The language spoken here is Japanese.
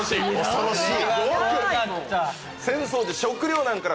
恐ろしい！